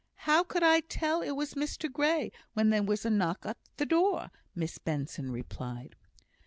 How could I tell it was Mr Grey when there was a knock at the door?" Miss Benson replied.